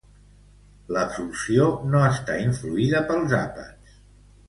L'absorció no està influïda pels àpats.